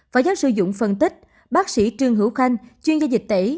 phó giáo sư dũng phân tích bác sĩ trương hữu khanh chuyên gia dịch tẩy